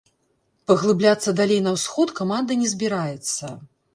Паглыбляцца далей на ўсход каманда не збіраецца.